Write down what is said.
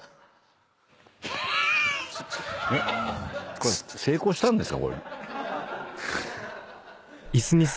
これ成功したんですか？